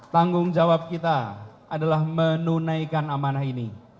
tanggung jawab kita adalah menunaikan amanah ini